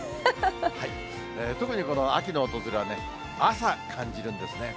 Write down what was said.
特に、この秋の訪れはね、朝感じるんですね。